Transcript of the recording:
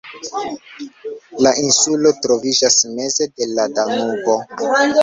La insulo troviĝas meze de la Danubo.